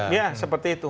iya seperti itu